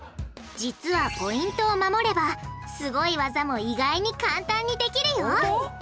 実はポイントを守ればすごい技も意外に簡単にできるよ！